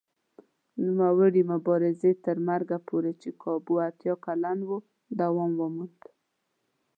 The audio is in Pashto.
نوموړي مبارزې تر مرګه پورې چې کابو اتیا کلن و دوام وموند.